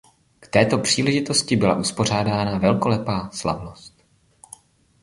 K této příležitosti byla uspořádána velkolepá slavnost.